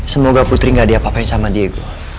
semoga putri gak diapa apain sama diego